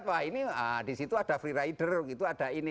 itu kan publik akhirnya melihat wah ini di situ ada freerider itu ada ini